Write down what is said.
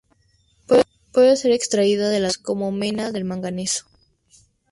Puede ser extraída de las minas como mena del manganeso.